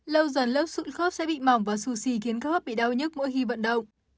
lâu dần lớp sụn khớp sẽ bị mỏng và xù xì khiến khớp bị đau nhất mỗi khi vận động